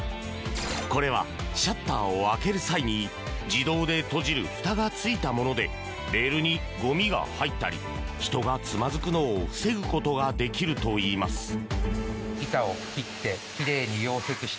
これはシャッターを開ける際に自動で閉じるふたがついたものでレールにゴミが入ったり人がつまずくのを防ぐことができるといいます。